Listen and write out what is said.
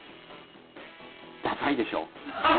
ダサいでしょ。